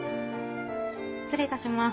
失礼いたします。